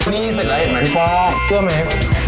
นี่เป็นอะไรเห็นไหมครับพี่พ่อเกือบไหมครับ